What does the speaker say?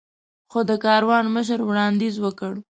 خو د کاروان مشر وړاندیز وکړ.